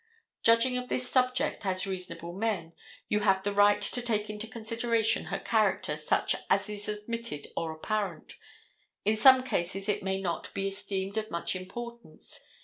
Judging of this subject as reasonable men, you have the right to take into consideration her character such as is admitted or apparent. In some cases it may not be esteemed of much importance.